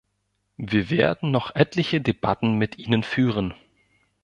Wir werden noch etliche Debatten mit Ihnen führen.